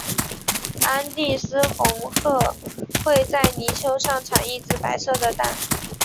安第斯红鹳会在泥丘上产一只白色的蛋。